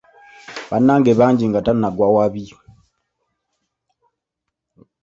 "Bannange bangi", nga tannagwa wabi.